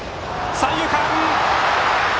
三遊間！